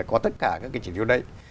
có tất cả các chỉ tiêu đấy